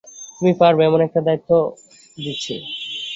তুমি পারবে এমন একটা দায়িত্ব দিচ্ছি।